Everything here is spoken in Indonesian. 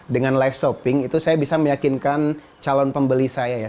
dengan live shopping itu saya bisa meyakinkan calon pembeli saya ya